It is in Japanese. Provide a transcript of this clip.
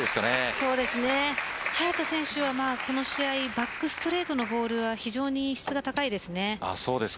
早田選手はこの試合バックストレートのボールは非常に質が高いです。